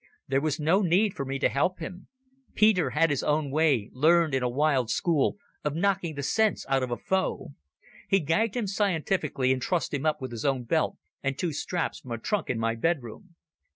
There was no need for me to help him. Peter had his own way, learned in a wild school, of knocking the sense out of a foe. He gagged him scientifically, and trussed him up with his own belt and two straps from a trunk in my bedroom.